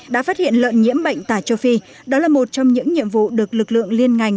đã phát hiện lợn nhiễm bệnh tả châu phi đó là một trong những nhiệm vụ được lực lượng liên ngành